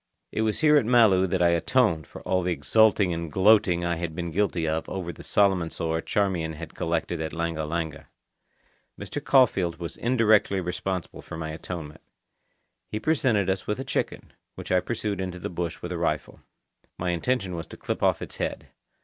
It was here at Malu that I atoned for all the exulting and gloating I had been guilty of over the Solomon sore Charmian had collected at Langa Langa. Mr. Caulfeild was indirectly responsible for my atonement. He presented us with a chicken, which I pursued into the bush with a rifle. My intention was to clip off its head.